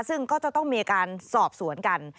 ซึ่งก็จะต้องมีการสอบสวนกัน